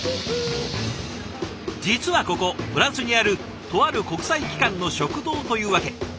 実はここフランスにあるとある国際機関の食堂というわけ。